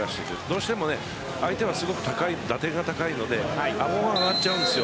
どうしても相手はすごく打点が高いのであごが上がっちゃうんです。